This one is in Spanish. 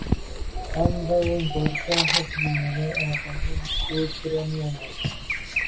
Han dado importancia primordial a la canción ucraniana.